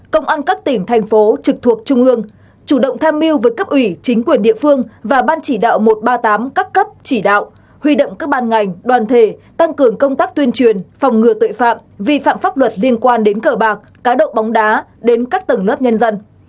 công an các tỉnh thành phố trực thuộc trung ương chủ động tham mưu với cấp ủy chính quyền địa phương và ban chỉ đạo một trăm ba mươi tám các cấp chỉ đạo huy động các ban ngành đoàn thể tăng cường công tác tuyên truyền phòng ngừa tội phạm vi phạm pháp luật liên quan đến cờ bạc cá độ bóng đá đến các tầng lớp nhân dân